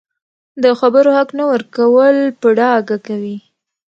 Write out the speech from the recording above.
د خبرو حق نه ورکول په ډاګه کوي